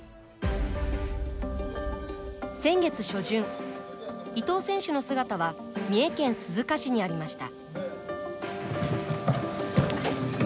先月初旬、伊藤選手の姿は三重県鈴鹿市にありました。